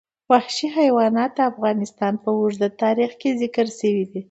وحشي حیوانات د افغانستان په اوږده تاریخ کې ذکر شوي دي.